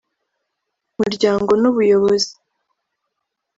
umuryango n’ubuyobozi